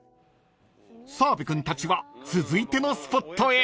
［澤部君たちは続いてのスポットへ］